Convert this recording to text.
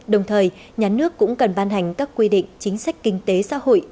đồng thời nhà nước cũng cần ban hành các quy định chính sách kinh tế xã hội